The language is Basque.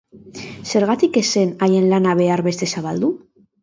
Zergatik ez zen haien lana behar beste zabaldu?